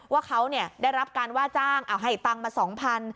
ว่าเขาเนี่ยได้รับการว่าจ้างอ่าวให้ตังค์มาสองพัน